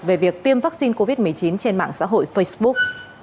về việc tiêm vaccine covid một mươi chín trên mạng xã hội facebook